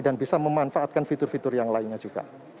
bisa memanfaatkan fitur fitur yang lainnya juga